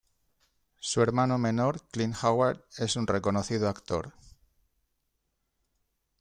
Su hermano menor, Clint Howard, es un reconocido actor.